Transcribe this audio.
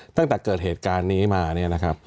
ตั้งแต่เกิดเหตุการณ์นี้มา